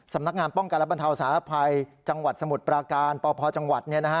สำนักงานป้องกันและบรรเทาสารภัยจังหวัดสมุทรปราการปพจังหวัด